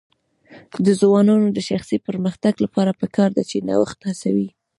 د ځوانانو د شخصي پرمختګ لپاره پکار ده چې نوښت هڅوي.